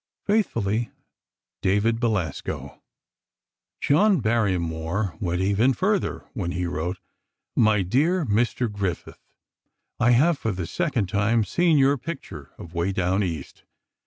Faithfully, DAVID BELASCO John Barrymore went even further, when he wrote: My dear Mr. Griffith: I have for the second time seen your picture of "Way Down East."